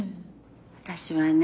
私はね